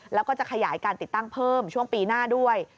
แล้วก็จะขยายการติดตั้งเพิ่มช่วงปีหน้าด้วย